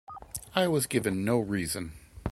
I was given no reason.